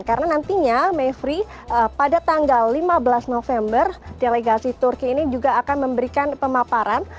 karena nantinya may tiga pada tanggal lima belas november delegasi turki ini juga akan memberikan pemaparan